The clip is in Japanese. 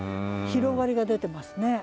広がりが出てますね。